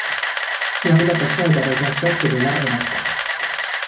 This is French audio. Son alimentation est à base d'insectes et de larves d'insectes.